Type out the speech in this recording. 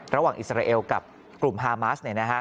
ระหว่างอิสราเอลกับกลุ่มฮามาสนะครับ